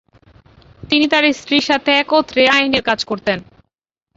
তিনি তার স্ত্রীর সাথে একত্রে আইনের কাজ করতেন।